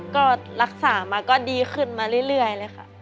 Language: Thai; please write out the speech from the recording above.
ก็รักษามาก็ดีขึ้นมาเรื่อยเลยค่ะ